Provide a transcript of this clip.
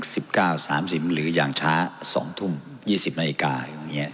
สิบเก้าสามสิบหรืออย่างช้าสองทุ่มยี่สิบนาฬิกาอย่างเงี้